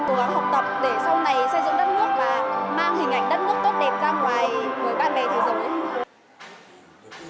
cố gắng học tập để sau này xây dựng đất nước và mang hình ảnh đất nước tốt đẹp ra ngoài với bạn bè thế giới